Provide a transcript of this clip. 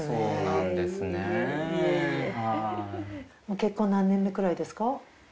結婚何年目くらいですか？